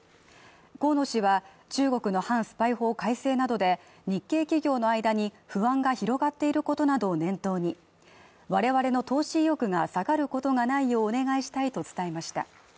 河野氏は中国の反スパイ法改正などで日系企業の間に不安が広がっていることなどを念頭に、我々の投資意欲が下がることがないようお願いしたいと伝えました。